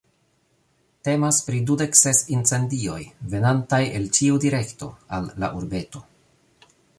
Temas pri dudek ses incendioj venantaj el ĉiu direkto al la urbeto.